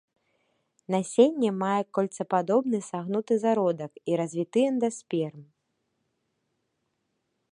Насенне мае кольцападобны сагнуты зародак і развіты эндасперм.